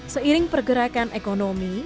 seiring pergerakan ekonomi